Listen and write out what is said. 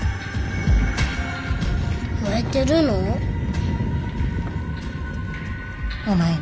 燃えてるの？